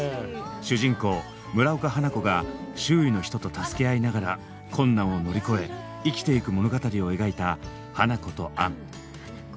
主人公村岡花子が周囲の人と助け合いながら困難を乗り越え生きていく物語を描いた「花子とアン」。